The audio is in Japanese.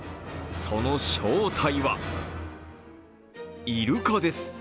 その正体はイルカです。